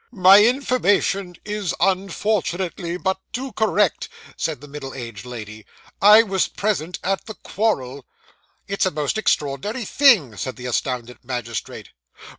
'My information is, unfortunately, but too correct,' said the middle aged lady; 'I was present at the quarrel.' 'It's a most extraordinary thing,' said the astounded magistrate.